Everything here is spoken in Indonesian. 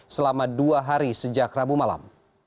selama dua hari sejak rabu malam